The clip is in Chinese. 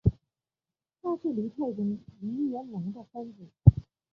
他是黎太宗黎元龙的三子。